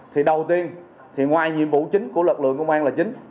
thì đầu tiên thì ngoài nhiệm vụ chính của lực lượng công an là chính